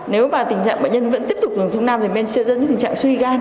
nếu mà tình trạng bệnh nhân vẫn tiếp tục dùng dung nam thì men sẽ dẫn đến tình trạng suy gan